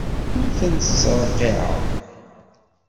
Ur tent-ttreqqiɛeɣ.